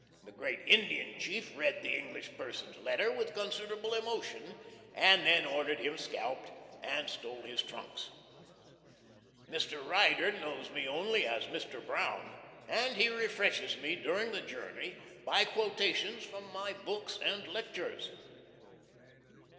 The great Indian chief read the English person's letter with considerable emotion, and then ordered him scalped, and stole his trunks. Mr. Ryder knows me only as "Mr. Brown," and he refreshes me during the journey by quotations from my books and lectures.